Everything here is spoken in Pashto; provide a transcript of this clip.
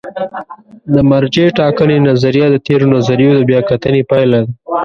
د مرجع ټاکنې نظریه د تېرو نظریو د بیا کتنې پایله ده.